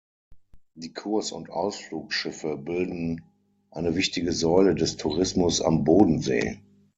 Die Kurs- und Ausflugsschiffe bilden eine wichtige Säule des Tourismus am Bodensee.